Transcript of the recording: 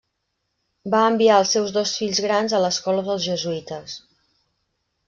Van enviar als seus dos fills grans a l'escola dels jesuïtes.